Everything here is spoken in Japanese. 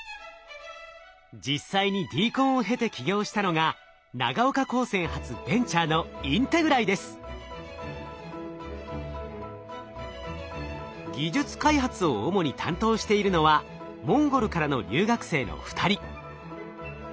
実際にＤＣＯＮを経て起業したのが長岡高専発ベンチャーの技術開発を主に担当しているのはモンゴルからの留学生の２人。